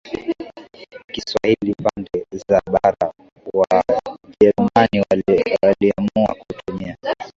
Kiswahili pande za bara Wajerumani waliamua kutumia